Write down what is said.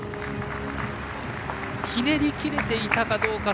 ひねり切れていたかどうか。